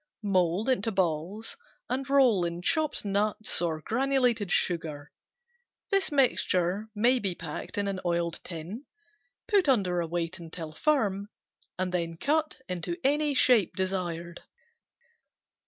Mold into balls and roll in chopped nuts or granulated sugar. This mixture may be packed in an oiled tin, put under a weight until firm, then cut in any shape desired.